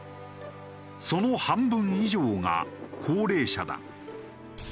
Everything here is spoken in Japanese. その半分以上が高齢者だ。